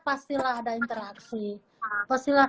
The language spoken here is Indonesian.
pastilah ada interaksi